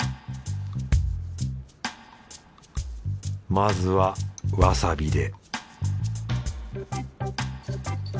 まずはわさびで